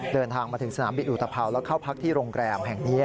เดินทางมาถึงสนามบินอุตภาวแล้วเข้าพักที่โรงแรมแห่งนี้